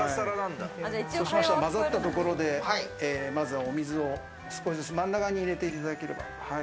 混ざったところで、まずはお水を少しずつ真ん中に入れていただければ。